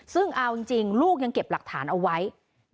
ซึ่งเอาจริงลูกยังเก็บหลักฐานระเบิดวันเอาไว้